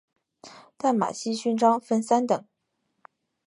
淡马锡勋章分三等。